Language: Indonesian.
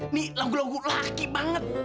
ini lagu lagu laki banget